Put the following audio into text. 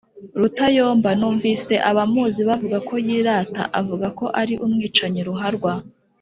Rutayomba numvise abamuzi bavuga ko yirata avuga ko ari umwicanyi ruharwa,